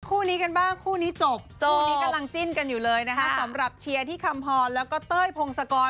คู่นี้กันบ้างคู่นี้จบคู่นี้กำลังจิ้นกันอยู่เลยนะคะสำหรับเชียร์ที่คำพรแล้วก็เต้ยพงศกร